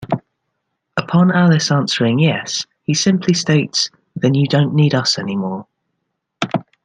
Upon Alice answering yes, he simply states, then you don't need us anymore.